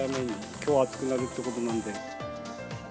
きょう暑くなるってことなので。